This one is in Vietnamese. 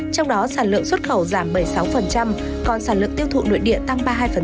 trong đó sản lượng xuất khẩu giảm bảy mươi sáu còn sản lượng tiêu thụ nội địa tăng ba mươi hai